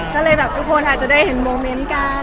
ก็เลยแบบทุกคนอาจจะได้เห็นโมเมนต์กัน